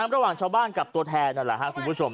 ระหว่างชาวบ้านกับตัวแทนนั่นแหละครับคุณผู้ชม